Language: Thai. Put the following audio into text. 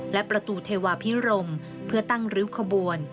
และประตูเทวาพิรมเพื่อตั้งริ้วขบวน